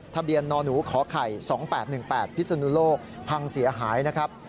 ทะเบียนนหนูขอไข่๒๘๑๘พิศนุโลกพังเสียหายนะครับ